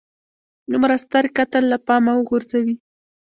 دومره ستر قتل له پامه وغورځوي.